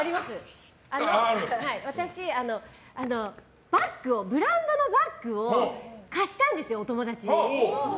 私、ブランドのバッグを貸したんですよ、お友達に。